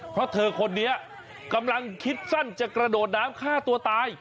เพราะเธอคนนี้กำลังคิดสั้นจะกระโดดน้ำฆ่าตัวตาย